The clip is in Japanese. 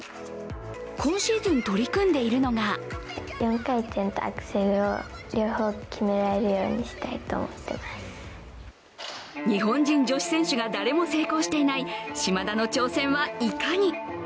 今シーズン、取り組んでいるのが日本人女子選手が誰も成功していない島田の挑戦はいかに。